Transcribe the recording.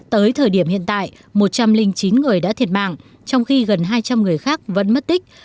tới thời điểm hiện tại một trăm linh chín người đã thiệt mạng trong khi gần hai trăm linh người khác vẫn mất tích